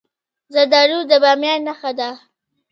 زردالو د بامیان نښه ده.